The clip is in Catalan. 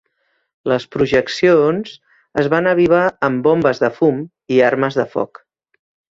Les projeccions es van avivar amb bombes de fum i armes de foc.